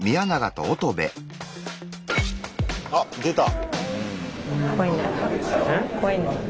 あっ出た。